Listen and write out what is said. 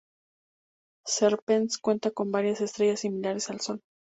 Serpens cuenta con varias estrellas similares al Sol.